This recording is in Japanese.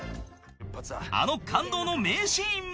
［あの感動の名シーンも］